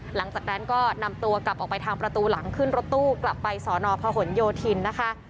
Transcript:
หลังจากนั้นก็นำตัวกลับออกไปทางประตูหลังขึ้นรถตู้กลับไปสอนอพหนโยธินนะคะ